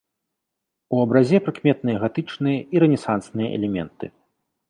У абразе прыкметныя гатычныя і рэнесансныя элементы.